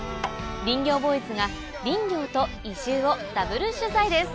林業ボーイズが林業と移住をダブル取材です。